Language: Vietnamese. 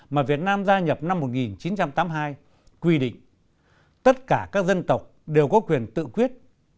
mà việt nam gia nhập năm một nghìn chín trăm tám mươi hai quy định tất cả các dân tộc đều có quyền tự quyết